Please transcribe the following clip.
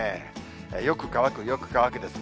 よく乾く、よく乾くです。